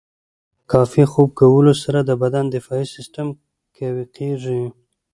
د کافي خوب کولو سره د بدن دفاعي سیستم قوي کیږي.